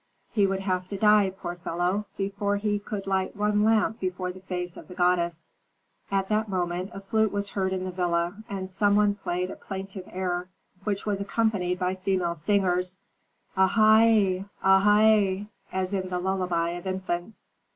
"He would have to die, poor fellow, before he could light one lamp before the face of the goddess." At that moment; a flute was heard in the villa, and some one played a plaintive air, which was accompanied by female singers, "Áha ā! áha ā!" as in the lullaby of infants.